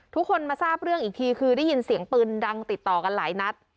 ทุกคนมาทราบเรื่องอีกทีคือได้ยินเสียงปืนดังติดต่อกันหลายนัด